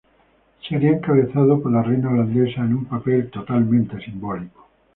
Sería encabezado por la reina holandesa en un papel totalmente simbólico.